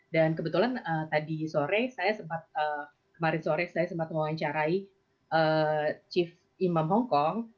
dan kebetulan tadi sore saya sempat kemarin sore saya sempat menguancarai chief imam hongkong